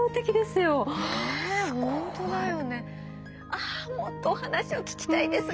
あもっとお話を聞きたいですが。